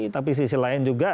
tapi sisi lain juga